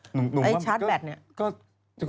หนุ่มว่าก็ชาร์จแบตเนี่ย